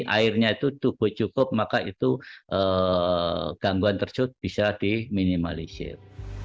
airnya itu tubuh cukup maka itu gangguan terjut bisa diminimalisir